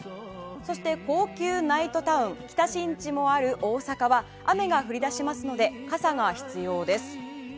そして高級ナイトタウン、北新地もある大阪は、雨が降りだしますので、傘が必要です。